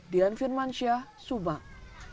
dian firman syah subang